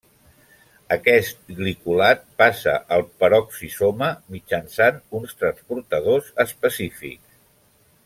Aquest glicolat passa al peroxisoma mitjançant uns transportadors específics.